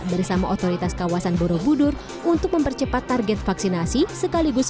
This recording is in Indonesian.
bersama otoritas kawasan borobudur untuk mempercepat target vaksinasi sekaligus